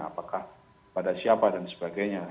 apakah pada siapa dan sebagainya